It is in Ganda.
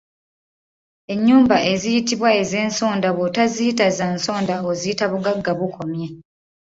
Ennyumba eziyitibwa ez’Ensonda, bw’otoziyita za nsonda oziyita Bugagga bukomye.